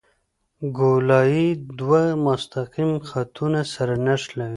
ګولایي دوه مستقیم خطونه سره نښلوي